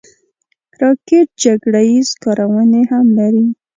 راکټ جګړه ییز کارونې هم لري